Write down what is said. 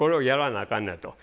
あかんなと。